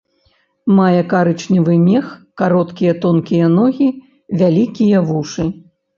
Мае карычневы мех, кароткія тонкія ногі, вялікія вушы.